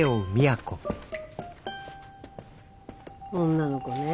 女の子ね。